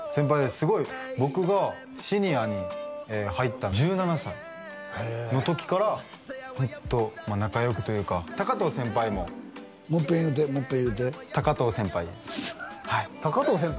すごい僕がシニアに入った１７歳の時からホンット仲よくというか藤先輩ももっぺん言うてもっぺん言うて藤先輩はい藤先輩？